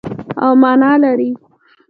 او مانا لري.